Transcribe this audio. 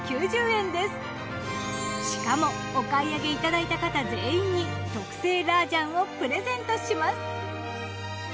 しかもお買い上げいただいた方全員に特製ラージャンをプレゼントします。